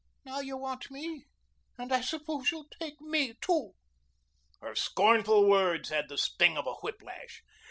Now you want me and I suppose you'll take me too." Her scornful words had the sting of a whiplash.